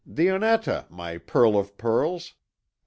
Dionetta, my pearl of pearls!